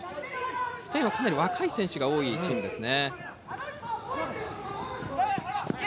スペインはかなり若い選手が多いチームですね。